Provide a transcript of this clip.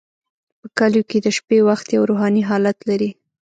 په کلیو کې د شپې وخت یو روحاني حالت لري.